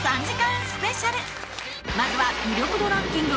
まずは魅力度ランキング